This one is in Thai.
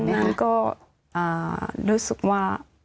ก็ตอนนั้นก็รู้สึกว่า